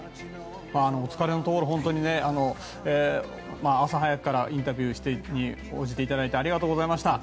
お疲れのところ本当に朝早くからインタビューに応じていただいてありがとうございました。